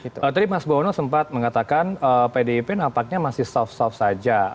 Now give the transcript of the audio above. tadi mas bowono sempat mengatakan pdip nampaknya masih soft soft saja